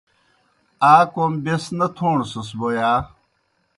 آ کوْم بیْس نہ تھوݨسَس بوْ ہا؟